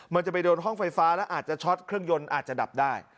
มันจะไปโดนห้องไฟฟ้าแล้วอาจจะช็อตเครื่องยนต์อาจจะดับได้